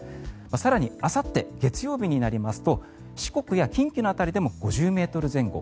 更にあさって月曜日になりますと四国や近畿の辺りでも５０ｍ前後。